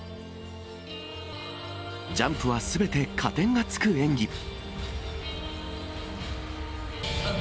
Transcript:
ジャンプはすべて加点がつく演技。